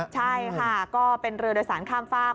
ใช่ค่ะก็เป็นเรือโดยสารข้ามฝาก